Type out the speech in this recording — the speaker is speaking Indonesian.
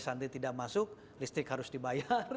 santri tidak masuk listrik harus dibayar